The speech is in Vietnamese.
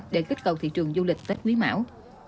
để kích cầu thị trường du lịch tết quý mão